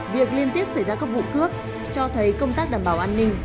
việc liên tiếp xảy ra các vụ cướp cho thấy công tác đảm bảo an ninh